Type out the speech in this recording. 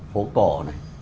phố cổ này